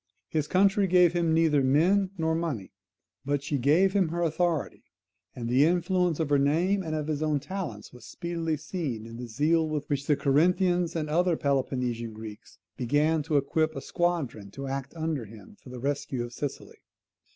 His country gave him neither men nor money, but she gave him her authority; and the influence of her name and of his own talents was speedily seen in the zeal with which the Corinthians and other Peloponnesian Greeks began to equip a squadron to act under him for the rescue of Sicily.